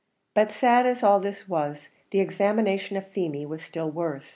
But sad as all this was, the examination of Feemy was still worse.